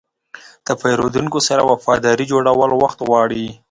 د پیرودونکو سره وفاداري جوړول وخت غواړي.